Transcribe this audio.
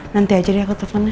nanti ajar ya ke teleponnya